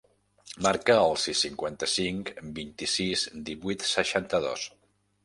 Marca el sis, cinquanta-cinc, vint-i-sis, divuit, seixanta-dos.